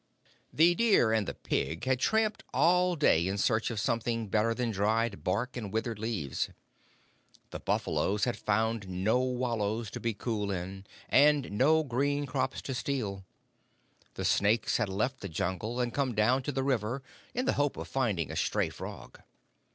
The deer and the pig had tramped all day in search of something better than dried bark and withered leaves. The buffaloes had found no wallows to be cool in, and no green crops to steal. The snakes had left the Jungle and come down to the river in the hope of finding a stray frog.